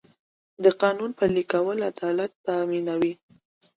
د قانون پلي کول عدالت تامینوي.